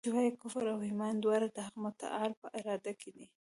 چي وايي کفر او ایمان دواړه د حق متعال په اراده کي دي.